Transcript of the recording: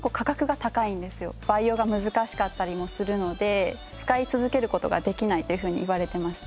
培養が難しかったりもするので使い続ける事ができないというふうにいわれていました。